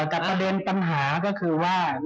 แต่ประเด็นปัญหาก็คือว่า